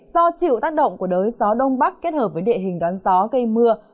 do chịu tác động của đới gió đông bắc kết hợp với địa hình đón gió gây mưa